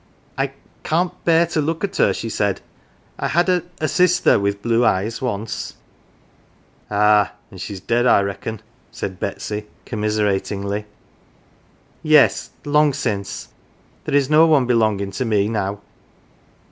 " I can't bear to look at her," she said. " I had a sister with blue eyes once." "Ah, an* she's dead, I reckon," said Betsy, com miseratingly. 40 GAFFER'S CHILD " Yes, long since. There is no one belonging to me now."